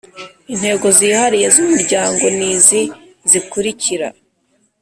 Intego zihariye z umuryango n izi zikurikira